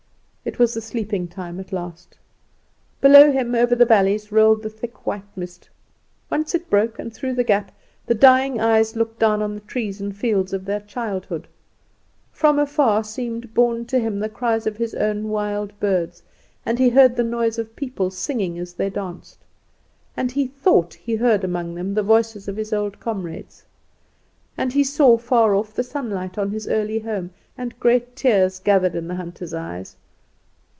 It was the sleeping time at last. Below him over the valleys rolled the thick white mist. Once it broke; and through the gap the dying eyes looked down on the trees and fields of their childhood. From afar seemed borne to him the cry of his own wild birds, and he heard the noise of people singing as they danced. And he thought he heard among them the voices of his old comrades; and he saw far off the sunlight shine on his early home. And great tears gathered in the hunter's eyes.